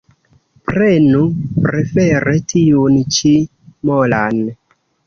Prenu prefere tiun ĉi molan